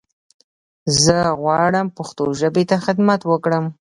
زه غواړم پښتو ژبې ته خدمت وکړم.